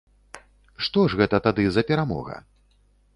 Што ж гэта тады за перамога?